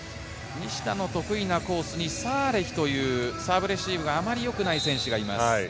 西田の得意なコースにサーレヒというサーブレシーブがあまり良くない選手がいます。